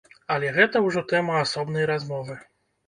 Але гэта ўжо тэма асобнай размовы.